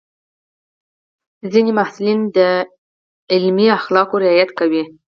ځینې محصلین د علمي اخلاقو رعایت کوي.